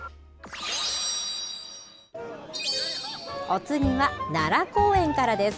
お次は、奈良公園からです。